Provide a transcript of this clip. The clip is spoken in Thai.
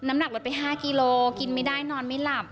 น้ำหนักลดไป๕กิโลกินไม่ได้นอนไม่หลับ